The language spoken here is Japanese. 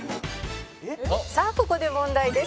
「さあここで問題です」